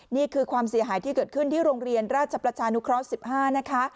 นี่คือความเสียหายที่เกิดขึ้นที่โรงเรียนราชประชานุเคราะห์๑๕นะคะ